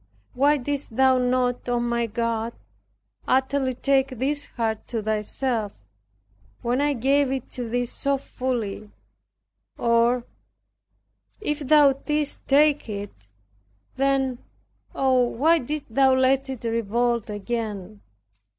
Why didst thou not, O my God, utterly take this heart to thyself, when I gave it to Thee so fully. Or, if Thou didst take it then, oh, why didst Thou let it revolt again?